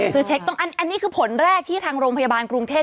คือเช็คตรงอันนี้คือผลแรกที่ทางโรงพยาบาลกรุงเทพ